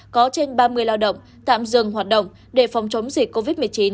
có trên ba mươi lao động tạm dừng hoạt động để phòng chống dịch covid một mươi chín